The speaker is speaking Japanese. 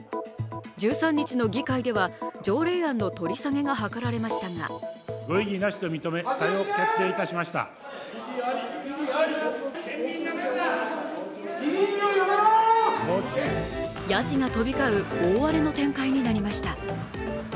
１３日の議会では条例案の取り下げがはかられましたがヤジが飛び交う大荒れの展開になりました。